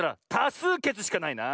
すうけつしかないな。